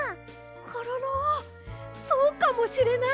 コロロそうかもしれないですね。